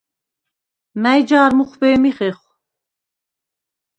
მა̈ჲ ჯა̄რ მუხვბე̄მი ხეხვ?